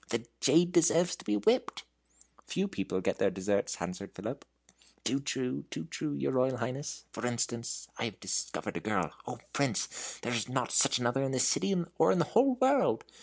"The jade deserves to be whipped." "Few people meet their deserts," answered Philip. "Too true, too true, your Royal Highness. For instance, I have discovered a girl O Prince, there is not such another in this city or in the whole world!